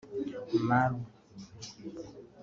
Malu